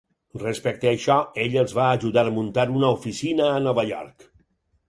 Respecte a això, ell els va ajudar a muntar una oficina a Nova York.